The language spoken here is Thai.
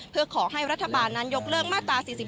เพื่อขอให้รัฐบาลนั้นยกเลิกมาตรา๔๔